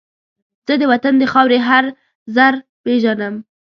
زه د وطن د خاورې هر زره پېژنم